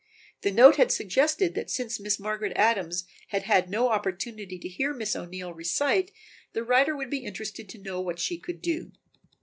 The note had suggested that since Miss Margaret Adams had had no opportunity to hear Miss O'Neill recite, the writer would be interested to know what she could do.